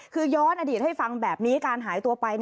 คือย้อนอดีตให้ฟังแบบนี้การหายตัวไป